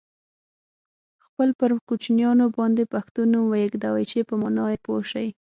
خپل پر کوچنیانو باندي پښتو نوم ویږدوی چې په مانا یې پوه سی.